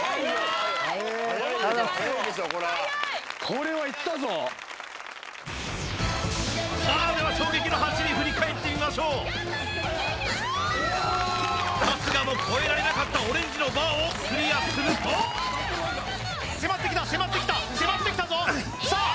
これはいったぞさあでは衝撃の走り振り返ってみましょう春日もこえられなかったオレンジのバーをクリアすると迫ってきた迫ってきた迫ってきたぞさあ